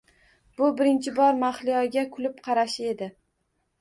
Bu birinchi bor Mahliyoga kulib qarashi edi